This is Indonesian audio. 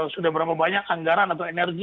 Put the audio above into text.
sudah berapa banyak anggaran atau energi